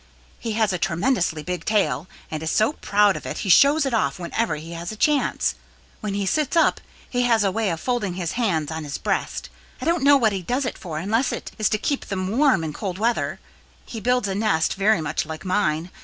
He has a tremendously big tail and is so proud of it he shows it off whenever he has a chance. When he sits up he has a way of folding his hands on his breast. I don't know what he does it for unless it is to keep them warm in cold weather. He builds a nest very much like mine.